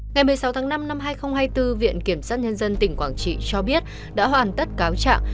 ngày một mươi sáu tháng năm năm hai nghìn hai mươi bốn viện kiểm sát nhân dân tỉnh quảng trị cho biết đã hoàn tất cáo trạng